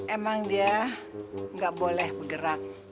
emang dia nggak boleh bergerak